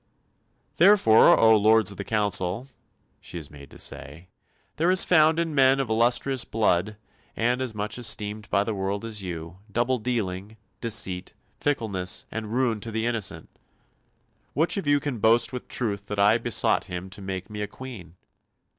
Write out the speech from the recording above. "Therefore, O Lords of the Council," she is made to say, "there is found in men of illustrious blood, and as much esteemed by the world as you, double dealing, deceit, fickleness, and ruin to the innocent. Which of you can boast with truth that I besought him to make me a Queen?